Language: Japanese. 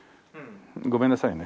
ごめんなさいね。